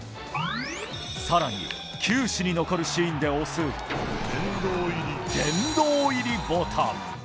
更に球史に残るシーンで押す殿堂入りボタン。